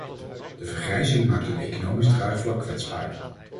De vergrijzing maakt het economisch draagvlak kwetsbaar.